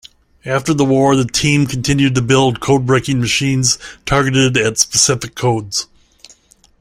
After the war, the team continued to build codebreaking machines, targeted at specific codes.